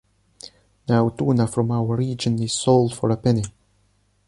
Now tuna from our region is sold for a penny.